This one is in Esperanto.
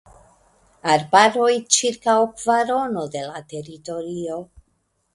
Arbaroj ĉirkaŭ kvarono de la teritorio.